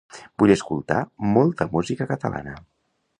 Vull escoltar molta música catalana.